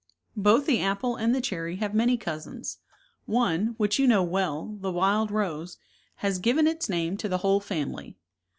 Both the apple and the cherry have many cous ins; one, which you know well, the wild rose, has given its name to the whole fam ily.